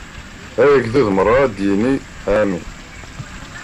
Agdud meṛṛa ad yini: Amin!